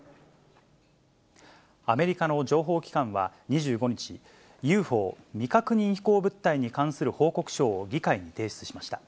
アメリカの情報機関は２５日、ＵＦＯ・未確認飛行物体に関する報告書を議会に提出しました。